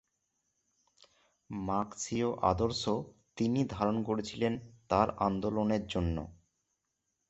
মার্ক্সীয় আদর্শ তিনি ধারণ করেছিলেন তার আন্দোলনের জন্য।